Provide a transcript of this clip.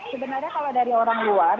sebenarnya kalau dari orang luar